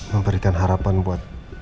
memberikan harapan buat